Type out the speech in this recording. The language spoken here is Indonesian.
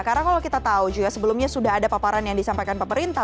karena kalau kita tahu juga sebelumnya sudah ada paparan yang disampaikan pemerintah